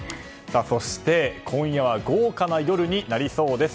今夜は豪華な夜になりそうです。